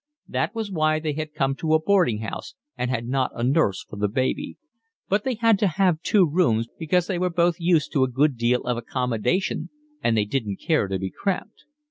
That was why they had come to a boarding house and had not a nurse for the baby; but they had to have two rooms because they were both used to a good deal of accommodation and they didn't care to be cramped.